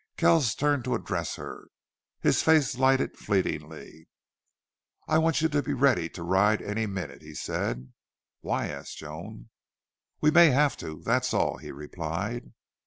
Kells turned to address her. His face lighted fleetingly. "I want you to be ready to ride any minute," he said. "Why?" asked Joan. "We may HAVE to, that's all," he replied.